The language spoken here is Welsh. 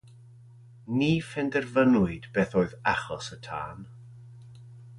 Ni phenderfynwyd beth oedd achos y tân.